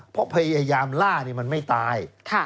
เพราะพยายามล่าเนี่ยมันไม่ตายค่ะ